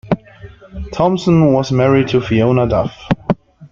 Thompson was married to Fiona Duff.